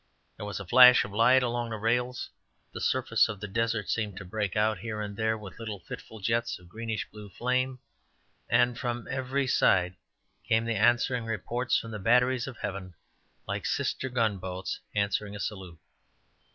There was a flash of light along the rails, the surface of the desert seemed to break out here and there with little fitful jets of greenish blue flame, and from every side came the answering reports from the batteries of heaven, like sister gunboats answering a salute.